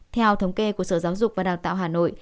theo thống kê của sở giáo dục và đào tạo hà nội